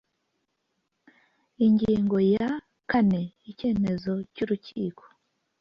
ingingo ya kane icyemezo cy urukiko